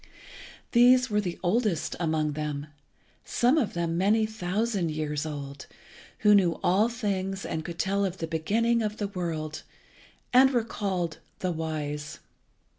These were the oldest among them, some of them many thousand years old, who knew all things and could tell of the beginning of the world, and were called the Wise.